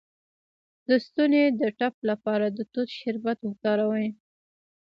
د ستوني د ټپ لپاره د توت شربت وکاروئ